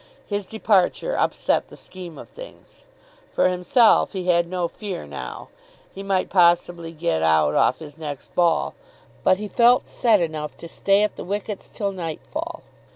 His departure upset the scheme of things. For himself he had no fear now. He might possibly get out off his next ball, but he felt set enough to stay at the wickets till nightfall.